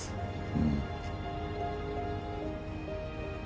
うん。